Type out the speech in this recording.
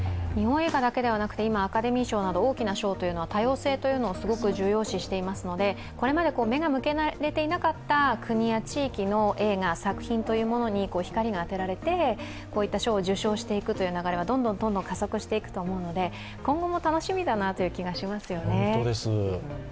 日本映画だけではなくて、今、アカデミー賞は多様性というのをすごく重要視していますので、これまで目が向けられていなかった国や地域の映画、作品というものに光が当てられてこういった賞を受賞していくという流れはどんどん加速していくと思うので、今後も楽しみだなという気がしますよね。